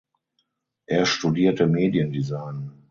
Er studierte Mediendesign.